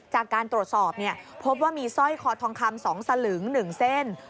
จากการตรวจสอบพบว่ามีสร้อยคอทองคำ๒สลึง๑เส้น